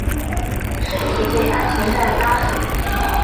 身体被安全带拉住